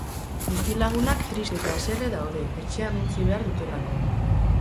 Bizilagunak triste eta haserre daude, etxean utzi behar dutelako.